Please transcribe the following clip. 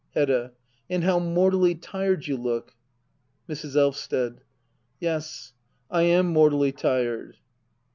Hedda. And how mortally tired you look. Mrs. Blvsted. Yes, I am mortally tired.